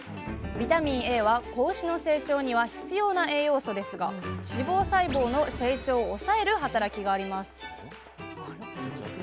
ビタミンＡは子牛の成長には必要な栄養素ですが脂肪細胞の成長を抑える働きがあります